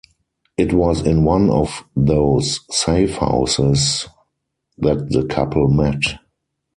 It was in one of those safe houses that the couple met.